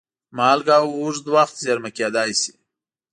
مالګه اوږد وخت زېرمه کېدای شي.